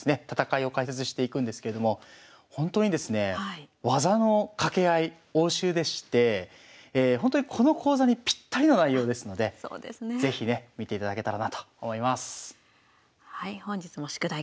戦いを解説していくんですけれどもほんとにですねえ技のかけ合い応酬でしてほんとにこの講座にぴったりの内容ですので是非ね見ていただけたらなと思います。